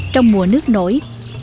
trong mùa nước nổi